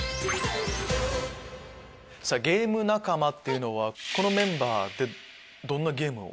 さぁ「ゲーム仲間」っていうのはこのメンバーでどんなゲームを？